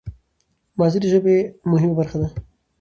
ماضي د ژبي مهمه برخه ده.